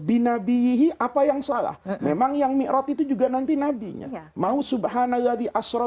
binabiyyihi apa yang salah memang yang mikrot itu juga nanti nabinya mau subhanalai asro